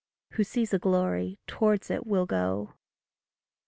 Who sees a glory, towards it will go.